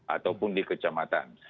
ataupun di kecamatan